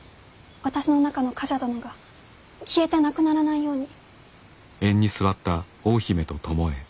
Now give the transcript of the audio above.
私の中の冠者殿が消えてなくならないように。